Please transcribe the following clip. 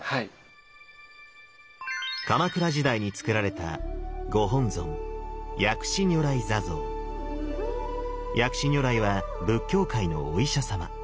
鎌倉時代につくられたご本尊薬師如来は仏教界のお医者様。